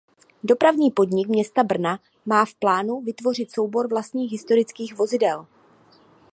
Dopravní podnik města Brna má v plánu vytvořit soubor vlastních historických vozidel.